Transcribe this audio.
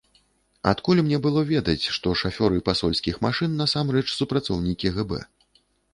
Адкуль мне было ведаць, што шафёры пасольскіх машын насамрэч супрацоўнікі гэбэ.